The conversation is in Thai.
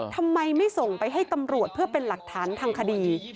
ทำไมไม่ส่งไปให้ตำรวจเพื่อเป็นหลักฐานทางคดี